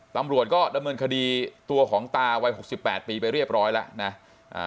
ตำรวจก็ดำเนินคดีตัวของตาวัยหกสิบแปดปีไปเรียบร้อยแล้วนะ